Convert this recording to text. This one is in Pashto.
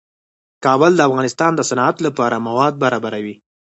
کابل د افغانستان د صنعت لپاره مواد برابروي.